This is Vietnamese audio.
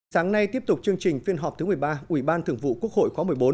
sáng nay tiếp tục chương trình phiên họp thứ một mươi ba ủy ban thường vụ quốc hội khóa một mươi bốn